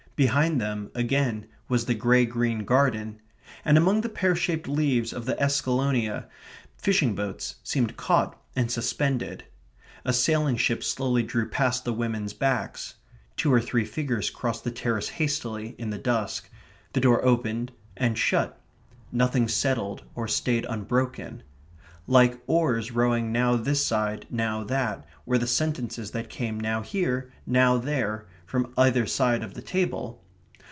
Behind them, again, was the grey green garden, and among the pear shaped leaves of the escallonia fishing boats seemed caught and suspended. A sailing ship slowly drew past the women's backs. Two or three figures crossed the terrace hastily in the dusk. The door opened and shut. Nothing settled or stayed unbroken. Like oars rowing now this side, now that, were the sentences that came now here, now there, from either side of the table.